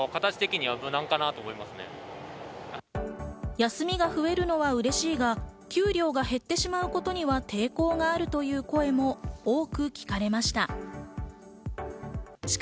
休みが増えるのは嬉しいが給料が減ってしまうことには抵抗があるという声も多く聞かれました。